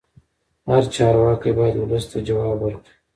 هر چارواکی باید ولس ته ځواب ورکړي